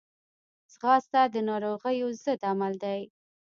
ځغاسته د ناروغیو ضد عمل دی